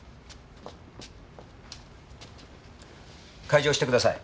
開錠してください。